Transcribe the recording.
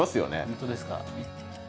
本当ですか。